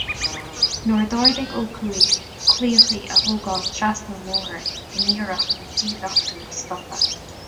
Nuair a d'ordaigh Ó Cuaig claíocha a thógáil trasna an bhóthair in iarracht an díluchtú a stopadh.